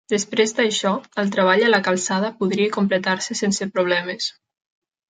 Després d'això, el treball en la calçada podria completar-se sense problemes.